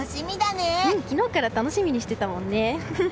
昨日から楽しみにしていたもんね。